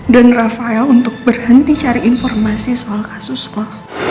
dan rafael untuk berhenti cari informasi soal kasus lo